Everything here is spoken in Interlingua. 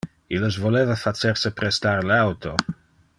Illes voleva facer se prestar le auto.